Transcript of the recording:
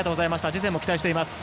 次戦も期待しています。